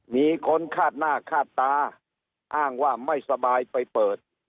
มีคนคาดหน้าคาดตาอ้างว่าไม่สบายไปเปิด